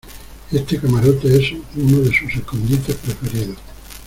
este camarote es uno de sus escondites preferidos.